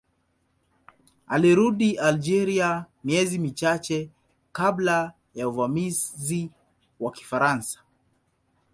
Alirudi Algeria miezi michache kabla ya uvamizi wa Kifaransa.